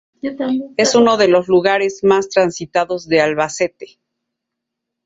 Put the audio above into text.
Es uno de los lugares más transitados de Albacete.